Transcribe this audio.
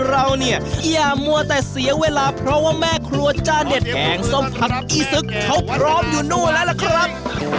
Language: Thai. เราเนี่ยอย่ามัวแต่เสียเวลาเพราะว่าแม่ครัวจานเด็ดแกงส้มผักอีซึกเขาพร้อมอยู่นู่นแล้วล่ะครับ